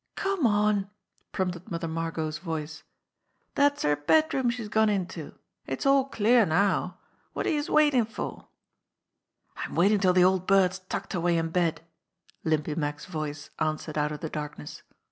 "Come on !" prompted Mother Margot's voice. "Dat's her bedroom she's gone into. It's all clear now. Wot're youse waitin' for?" "I'm waiting till the old bird's tucked away in bed," Limpy Mack's voice answered out of the darkness.